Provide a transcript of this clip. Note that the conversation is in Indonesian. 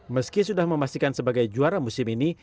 meski sudah memastikan sebagai juara musim ini